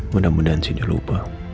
mudah mudahan si dia lupa